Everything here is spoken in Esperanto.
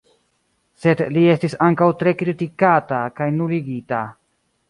Sed li estis ankaŭ tre kritikata kaj nuligita.